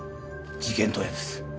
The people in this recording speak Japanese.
事件当夜です。